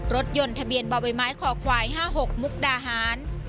รถยนต์ทะเบียนบ่อใบไม้คอควาย๕๖มุกดาหาร